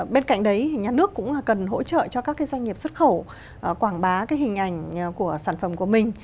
bên cạnh đấy thì nhà nước cũng là cần hỗ trợ cho các cái doanh nghiệp xuất khẩu quảng bá cái hình ảnh của sản phẩm của mình